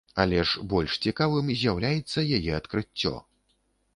Але ж больш цікавым з'яўляецца яе адкрыццё.